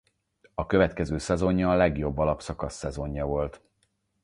A következő szezonja a legjobb alapszakasz szezonja volt.